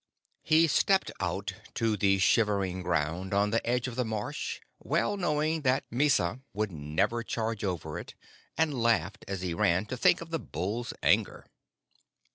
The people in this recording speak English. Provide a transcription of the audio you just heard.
He stepped out to the shivering ground on the edge of the marsh, well knowing that Mysa would never charge over it, and laughed, as he ran, to think of the bull's anger.